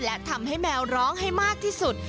และทำให้แมวร้องให้มากที่สุด